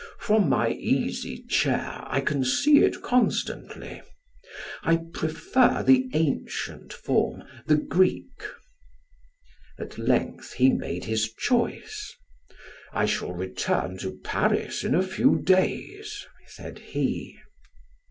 From my easy chair I can see it constantly. I prefer the ancient form the Greek." At length he made his choice. "I shall return to Paris in a few days," said he.